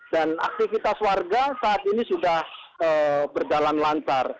dan aktivitas warga saat ini sudah berjalan lancar